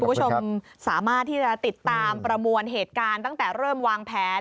คุณผู้ชมสามารถที่จะติดตามประมวลเหตุการณ์ตั้งแต่เริ่มวางแผน